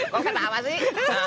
kok ketawa sih